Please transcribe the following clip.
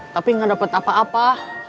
tapi gak dapat apa apa